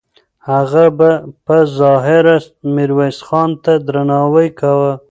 هغه به په ظاهره میرویس خان ته درناوی کاوه.